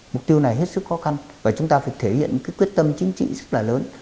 mục tiêu này hết sức khó khăn và chúng ta phải thể hiện cái quyết tâm chính trị rất là lớn